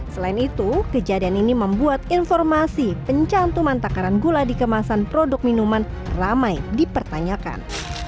selain itu kejadian ini membuat informasi pencantuman takaran gula di kemasan produk minuman ramai dipertanyakan